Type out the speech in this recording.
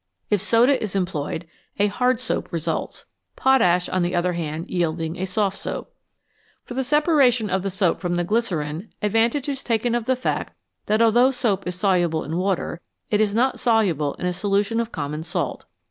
If soda is employed, a hard soap results, potash, on the other hand, yielding a soft soap. For the separation of the soap from the glycerine advantage is taken of the fact that although soap is soluble in water, it is not soluble in a solution of common salt.